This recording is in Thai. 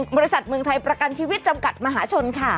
บริษัทเมืองไทยประกันชีวิตจำกัดมหาชนค่ะ